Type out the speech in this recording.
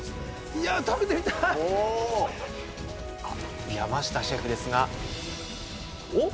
いや食べてみたい山下シェフですがおっ？